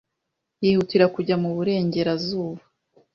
yihutira kujya mu Burengerazuba;